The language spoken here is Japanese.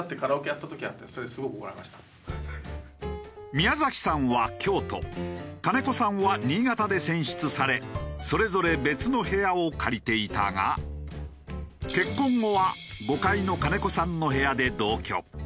宮崎さんは京都金子さんは新潟で選出されそれぞれ別の部屋を借りていたが結婚後は５階の金子さんの部屋で同居。